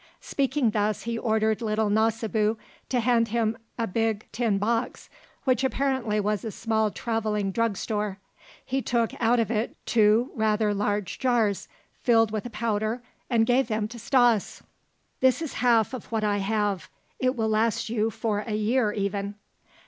Speaking thus, he ordered little Nasibu to hand him a big tin box, which apparently was a small traveling drug store; he took out of it two rather large jars filled with a powder and gave them to Stas. "This is half of what I have. It will last you for a year even."